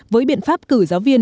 với biện pháp cử giáo viên